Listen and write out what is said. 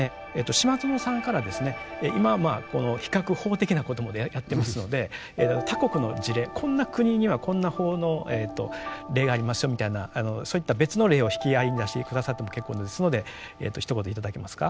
島薗さんからですね今比較法的なことまでやってますので他国の事例「こんな国にはこんな法の例がありますよ」みたいなそういった別の例を引き合いに出して下さっても結構ですのでひと言頂けますか？